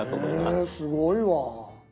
へえすごいわ。